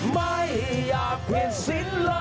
ไม่อยากผิดสิ้นแล้ว